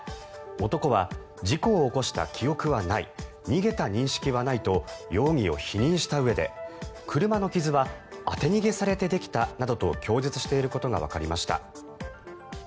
男は事故を起こした記憶はない逃げた認識はないと容疑を否認したうえで車の傷は当て逃げされてできたなどと供述していることがわかりました。